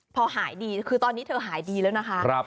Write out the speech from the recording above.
พอหายดีคือตอนนี้เธอหายดีแล้วนะคะ